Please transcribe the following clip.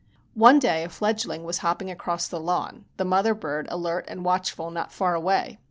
One day a fledgling was hopping across the lawn, the mother bird alert and watchful, not far away.